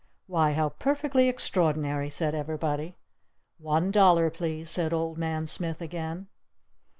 "Why, how perfectly extraordinary!" said everybody. "One dollar, please!" said Old Man Smith again.